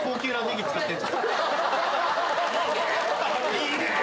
いいね！